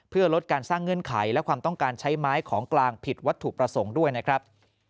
เพื่อลดการสร้างเงื่อนไขและความต้องการใช้ไม้ของกลางผิดวัตถุประสงค์ด้วยนะครับ